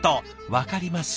わかります？